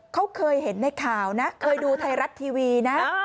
เขาเคยเห็นในข่าวนะเคยดูไทยรัฐทีวีนะ